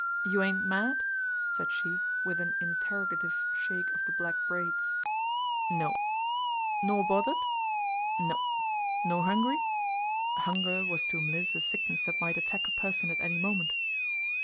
"You ain't mad?" said she, with an interrogative shake of the black braids. "No." "Nor bothered?" "No." "Nor hungry?" (Hunger was to Mliss a sickness that might attack a person at any moment.)